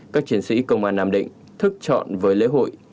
các chiến sĩ công an nam định thức chọn với lễ hội